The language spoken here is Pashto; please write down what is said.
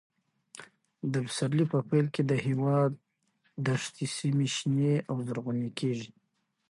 د پسرلي په پیل کې د هېواد دښتي سیمې شنې او زرغونې کېږي.